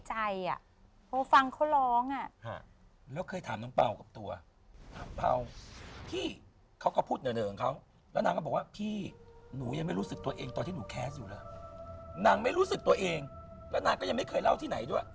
ใช่ไหมวะถ้าพี่อธกลัวอะไรเนี่ยเล่าสิ